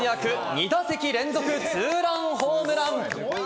２打席連続ツーランホームラン。